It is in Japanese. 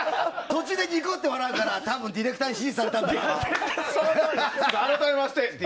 途中でニコッて笑うから多分、ディレクターに指示されたんだろうなって。